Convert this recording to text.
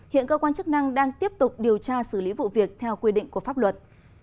hiện cơ quan chức năng đang tiếp tục điều tra xử lý vụ việc theo quy định của pháp luật